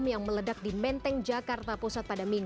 mitos yang sangat mentara jadi tidak kendi akan datang